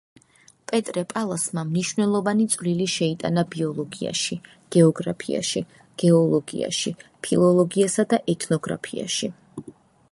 პეტრე პალასმა მნიშვნელოვანი წვლილი შეიტანა ბიოლოგიაში, გეოგრაფიაში, გეოლოგიაში, ფილოლოგიასა და ეთნოგრაფიაში.